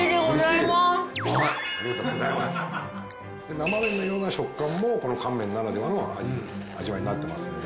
生麺のような食感もこの乾麺ならではの味わいになってますんで。